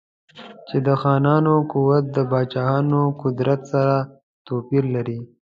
چې د خانانو قوت د پاچاهانو له قدرت سره توپیر لري.